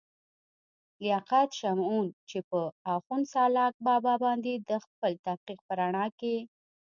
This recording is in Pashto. لياقت شمعون، چې پۀ اخون سالاک بابا باندې دَخپل تحقيق پۀ رڼا کښې